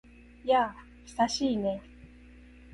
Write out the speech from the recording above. やあ、久しいね。